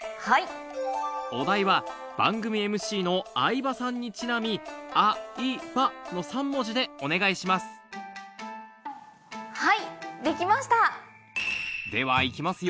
お題は番組ＭＣの相葉さんにちなみ「あ」「い」「ば」の３文字でお願いしますではいきますよ